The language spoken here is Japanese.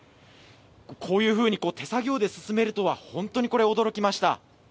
こういうふうに手作業で進めるとは、本当に驚きました。